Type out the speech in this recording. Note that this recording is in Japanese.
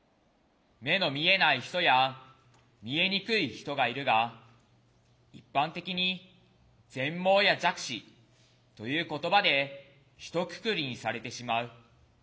目の見えない人や見えにくい人がいるが一般的に「全盲」や「弱視」という言葉でひとくくりにされてしまう。